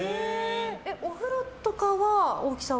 お風呂とかは大きさは？